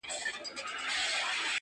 په قهر ورکتلي له لومړۍ ورځي اسمان؛